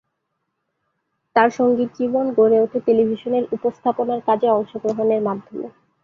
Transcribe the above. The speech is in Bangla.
তার সঙ্গীত জীবন গড়ে উঠে টেলিভিশনের উপস্থাপনার কাজে অংশগ্রহণের মাধ্যমে।